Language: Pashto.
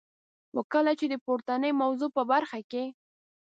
خو کله چي د پورتنی موضوع په برخه کي.